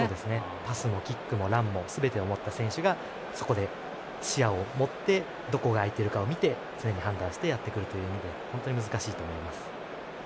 パスもキックもランもすべてを持った選手がそこで視野を持ってどこが空いているかを見て常に判断してやってくるという意味で本当に難しいと思います。